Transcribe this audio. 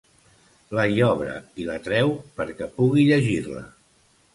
La hi obre i la treu perquè pugui llegir-la.